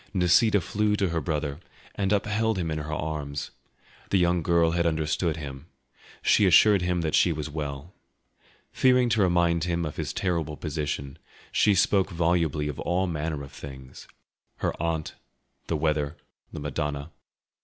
Nisida flew to her brother and upheld him in her arms. The young girl had understood him; she assured him that she was well. Fearing to remind him of his terrible position, she spoke volubly of all manner of things—her aunt, the weather, the Madonna.